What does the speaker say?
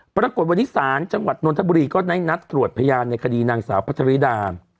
ปรากฏวันนี้ศาลจังหวัดนทบุรีก็ได้นัดตรวจพยานในคดีนางสาวพัชริดา